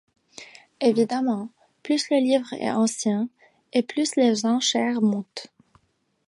Évidemment, plus le livre est ancien et plus les enchères montent.